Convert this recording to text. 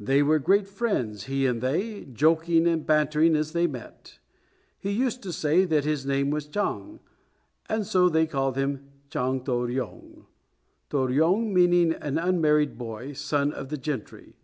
They were great friends, he and they, joking and bantering as they met. He used to say that his name was Chang, and so they called him Chang To ryong, To ryong meaning an unmarried boy, son of the gentry.